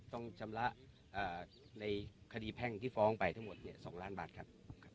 ต้องชำระเอ่อในคดีแพ่งที่ฟ้องไปทั้งหมดเนี่ยสองล้านบาทครับ